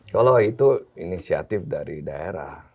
kalau itu inisiatif dari daerah